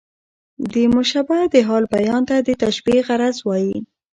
د مشبه د حال بیان ته د تشبېه غرض وايي.